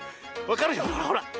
わかるよほら。